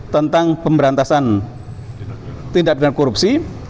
tentang pemberantasan tindak pidana korupsi